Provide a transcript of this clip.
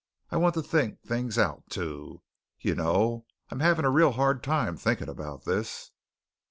I want to think things out, too. You know I'm having a real hard time thinking about this."